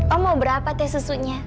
oh mau berapa teh susunya